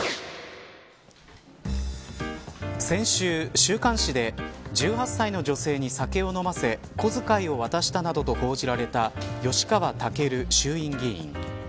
先週、週刊誌で１８歳の女性に酒を飲ませ小遣いを渡したなどと報じられた吉川赳衆院議員。